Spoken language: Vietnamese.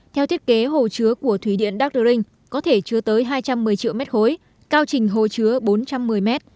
theo thiết kế hồ chứa của thủy điện đắc đu rinh có thể chứa tới hai trăm một mươi triệu m ba cao trình hồ chứa bốn trăm một mươi m